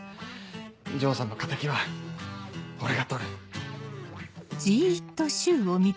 丈さんの敵は俺が取る。